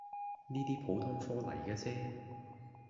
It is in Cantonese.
呢啲普通料黎既啫